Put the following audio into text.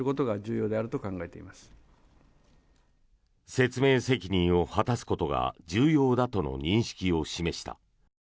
説明責任を果たすことが重要だとの認識を示した。